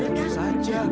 tidak ada rugi saja